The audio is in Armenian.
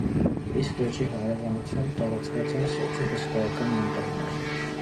Իսկ լճի հարևանությամբ տարածված են սոճու հսկայական անտառներ։